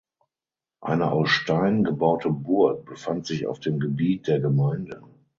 Eine aus Stein gebaute Burg befand sich auf dem Gebiet der Gemeinde.